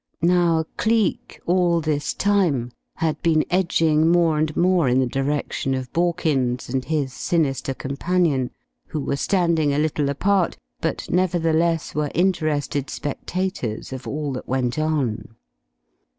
Now Cleek, all this time, had been edging more and more in the direction of Borkins and his sinister companion who were standing a little apart, but nevertheless were interested spectators of all that went on.